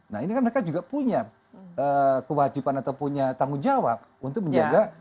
nah ini kan mereka juga punya kewajiban atau punya tanggung jawab untuk menjaga